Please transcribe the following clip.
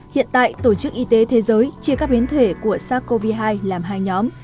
hiện tại tổ chức y tế thế giới chia các biến thể của sars cov hai làm hai nhóm